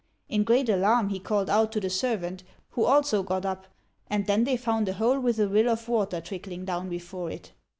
In great alarm he called out to the servant, who also got up, and then they found a hole with a rill of water trickling down before it.